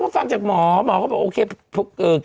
เอาหล่อนถามก็สิ